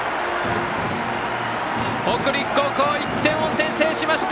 北陸高校、１点先制しました